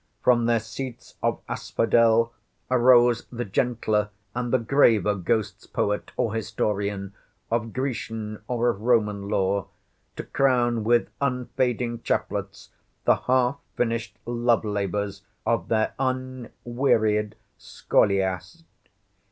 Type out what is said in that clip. From their seats of Asphodel arose the gentler and the graver ghosts poet, or historian—of Grecian or of Roman lore—to crown with unfading chaplets the half finished love labours of their unwearied scholiast.